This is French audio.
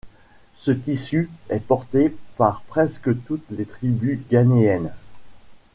Ce tissu est porté par presque toutes les tribus ghanéennes.